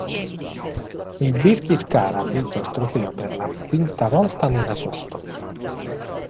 Il Birkirkara ha vinto il trofeo per la quinta volta nella sua storia.